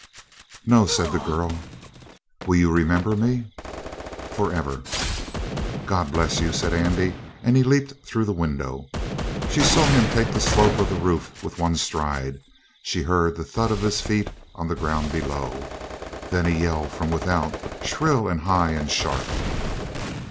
"No," said the girl. "Will you remember me?" "Forever!" "God bless you," said Andy as he leaped through the window. She saw him take the slope of the roof with one stride; she heard the thud of his feet on the ground below. Then a yell from without, shrill and high and sharp.